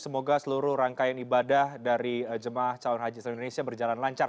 semoga seluruh rangkaian ibadah dari jemaah calon haji asal indonesia berjalan lancar